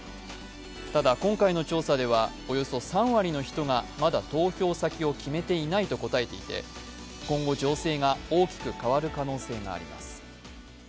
ただ、今回の調査ではおよそ３割の人がまだ投票先を決めていないと答えていて、今後、情勢が大きく変わる可能性があります。